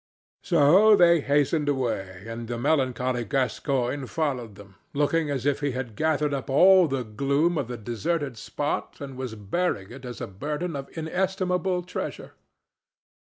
So they hastened away, and the melancholy Gascoigne followed them, looking as if he had gathered up all the gloom of the deserted spot and was bearing it as a burden of inestimable treasure.